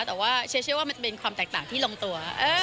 แต่ว่าเชียร์เชื่อว่ามันเป็นความแตกต่างที่ลงตัว